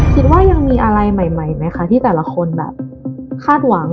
คิดว่ายังมีอะไรใหม่ไหมคะที่แต่ละคนแบบคาดหวัง